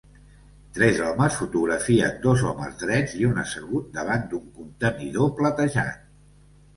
Tres homes fotografien dos homes drets i un assegut davant d'un contenidor platejat.